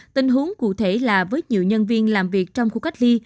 tình huống cụ thể là với nhiều nhân viên làm việc trong khu cách ly